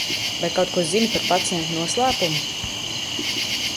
Vai kaut ko zini par pacienta noslēpumu?